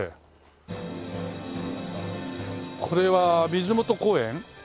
これは水元公園？